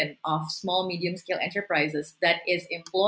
satu juta perusahaan kecil dan sederhana